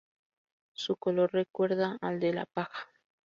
Su color recuerda al de la paja.